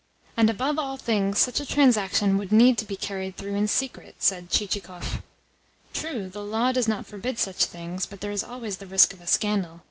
] "And above all things, such a transaction would need to be carried through in secret," said Chichikov. "True, the law does not forbid such things, but there is always the risk of a scandal."